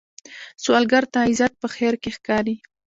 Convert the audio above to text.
سوالګر ته عزت په خیر کې ښکاري